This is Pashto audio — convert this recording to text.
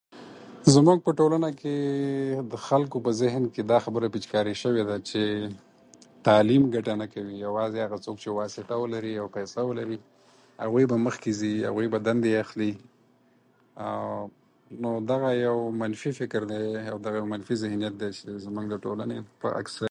زموږ په ټولنه کې د خلکو په ذهن کې دا خبره پیچکاري شوې ده چې تعلیم ګټه نه کوي؛ یوازې هغه څوک چې واسطه ولري او پیسه ولري، هغوی به مخکې ځي، هغوی به دندې اخلي. او نو دغه یو منفي فکر دی، او دا یو منفي ذهنيت دی چې زموږ ټولنه په اکثرو.